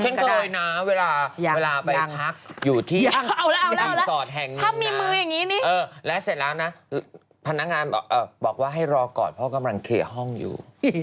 ฉันเคยนะเวลาไปพักอยู่ที่สอดแห่งนำน้ำแล้วเสร็จแล้วนะพนักงานบอกว่าให้รอก่อนเพราะว่ากำลังเขะห้องอยู่